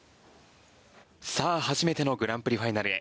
初めてのグランプリファイナルへ。